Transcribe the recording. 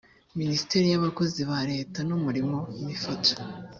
minisiteri y abakozi ba leta n umurimo mifotra